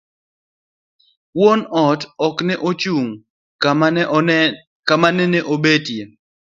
Wuon ot okne ochung' kama nene obetie